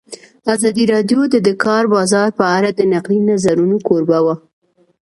ازادي راډیو د د کار بازار په اړه د نقدي نظرونو کوربه وه.